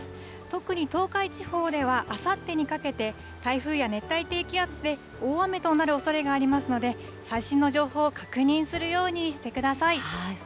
特に東海地方ではあさってにかけて、台風や熱帯低気圧で大雨となるおそれがありますので、最新の情報を確認するようにしてください。